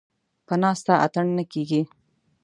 ـ په ناسته اتڼ نه کېږي.